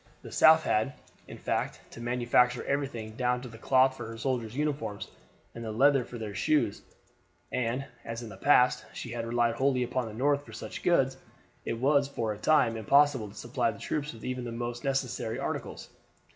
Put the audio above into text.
The South had, in fact, to manufacture everything down to the cloth for her soldiers uniforms and the leather for their shoes; and, as in the past she had relied wholly upon the North for such goods, it was for a time impossible to supply the troops with even the most necessary articles.